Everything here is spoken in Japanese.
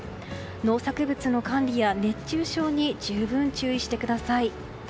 農作物の管理や熱中症に十分注意してください。